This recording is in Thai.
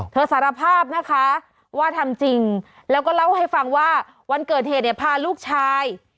สารภาพนะคะว่าทำจริงแล้วก็เล่าให้ฟังว่าวันเกิดเหตุเนี่ยพาลูกชาย